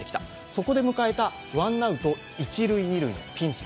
そこから迎えたワンアウト一・二塁のピンチ。